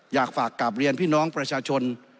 อยากฝากกลับเรียนพี่น้องประชาชน